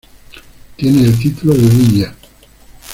Tiene el título de villa.